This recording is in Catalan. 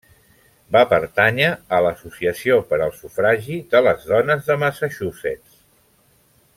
Va pertànyer a l'Associació per al Sufragi de les Dones de Massachusetts.